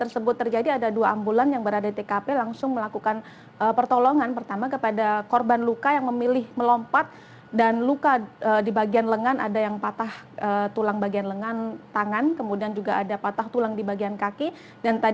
selamat malam eka